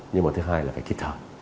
nhưng mà thứ hai là phải kịp thời